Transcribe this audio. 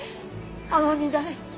尼御台